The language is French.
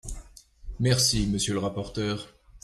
Merci, monsieur le rapporteur.